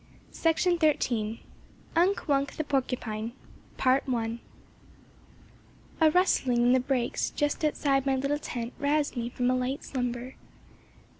_ UNK WUNK THE PORCUPINE A rustling in the brakes just outside my little tent roused me from a light slumber.